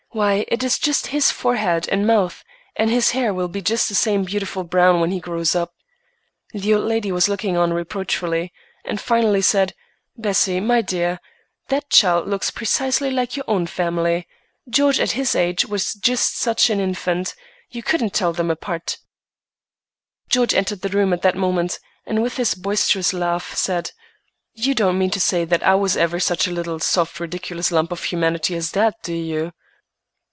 "Why, it is just his forehead and mouth, and his hair will be just the same beautiful brown when he grows up." The old lady was looking on reproachfully, and finally said, "Bessie, my dear, that child looks precisely like your own family. George at his age was just such an infant; you couldn't tell them apart." George entered the room at that moment, and with his boisterous laugh said, "You don't mean to say that I was ever such a little, soft, ridiculous lump of humanity as that, do you?"